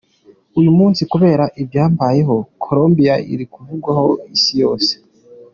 Uyu munsi kubera ibyambayeho, Colombia iri kuvugwaho ku isi yose.